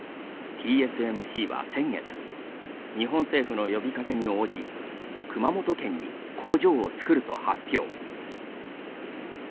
ＴＳＭＣは先月日本政府の呼びかけに応じ熊本県に工場をつくると発表。